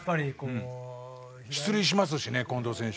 出塁しますしね近藤選手。